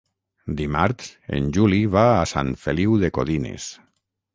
Dimarts en Juli va a Sant Feliu de Codines.